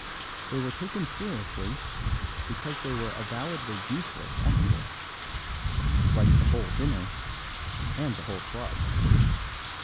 They were taken seriously because they were avowedly useless extras, like the whole dinner and the whole club.